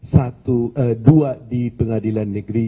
satu dua di pengadilan negeri